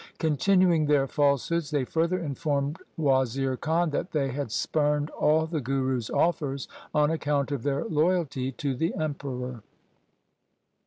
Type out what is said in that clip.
Continuing their falsehoods, they further informed Wazir Khan that they had spurned all the Guru's offers on account of their loyalty to the Emperor.